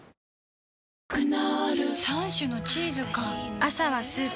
クノール３種のチーズか朝はスープ